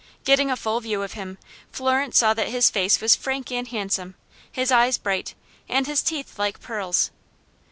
Getting a full view of him, Florence saw that his face was frank and handsome, his eyes bright, and his teeth like pearls.